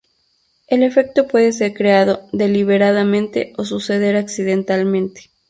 El efecto puede ser creado deliberadamente, o suceder accidentalmente.